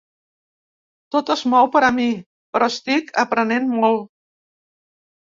Tot és nou per a mi, però estic aprenent molt.